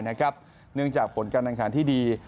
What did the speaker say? เนื่องจากผลกำลังการที่ดี